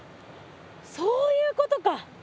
そういうことか！